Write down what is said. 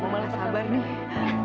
mau malah sabar nih